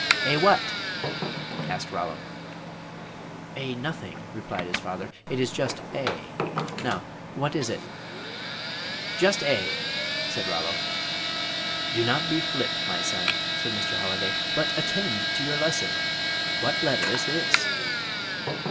"A what?" asked Rollo. "A nothing," replied his father, "it is just A. Now, what is it?" "Just A," said Rollo. "Do not be flip, my son," said Mr. Holliday, "but attend to your lesson. What letter is this?"